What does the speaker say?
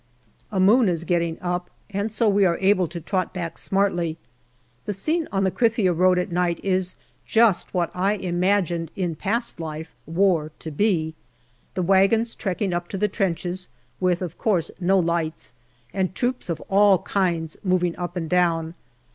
A moon is getting up, and so we are able to trot back smartly. The scene on the Krithia road at night is just what I imagined, in past life, war to be. The wagons trekking up to the trenches, with, of course, no lights, and troops of all kinds moving up and down.